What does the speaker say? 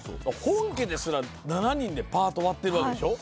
本家ですら７人でパート割ってるわけでしょ。